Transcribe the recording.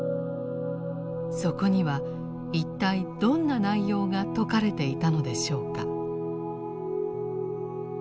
そこには一体どんな内容が説かれていたのでしょうか。